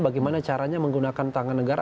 bagaimana caranya menggunakan tangan negara